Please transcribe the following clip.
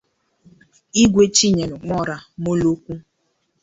Igwe Chinyelu Nwora Molokwu